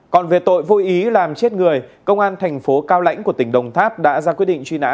còn về tội vô ý làm chết người công an thành phố cao lãnh của tỉnh đồng tháp đã ra quyết định truy nã